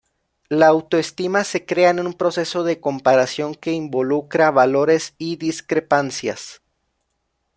La autoestima se crea en un proceso de comparación que involucra valores y discrepancias.